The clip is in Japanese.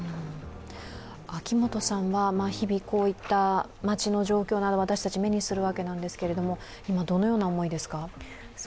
日々こういった街の状況など私たち目にするわけですけれども今、どのような思いですか？